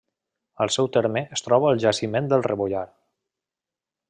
Al seu terme es troba el Jaciment del Rebollar.